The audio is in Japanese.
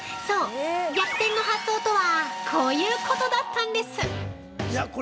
そう、逆転の発想とはこういうことだったんです。